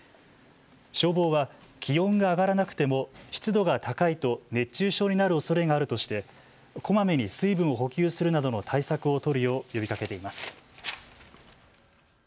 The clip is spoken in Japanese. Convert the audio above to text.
消防は気温が上がらなくても湿度が高いと熱中症になるおそれがあるとしてこまめに水分を補給するなどの対策を取るよう呼びかけています。